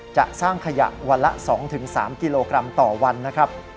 จะสร้างขยะวันละ๒๓กิโลกรัมต่อวันนะครับ